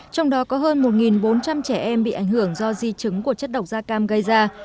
trong đó có hơn một bốn trăm linh trẻ em bị ảnh hưởng do di chứng của chất độc da cam gây ra